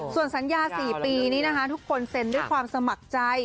ส่วนสัญญา๔ปีนี้นะคะทุกคนเซ็นด้วยความสมัครใจ